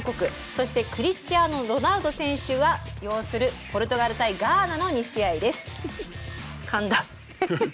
そしてクリスチアーノ・ロナウド選手を擁するポルトガルとガーナの２試合です。